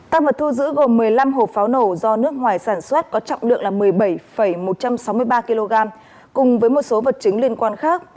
tăng vật thu giữ gồm một mươi năm hộp pháo nổ do nước ngoài sản xuất có trọng lượng là một mươi bảy một trăm sáu mươi ba kg cùng với một số vật chứng liên quan khác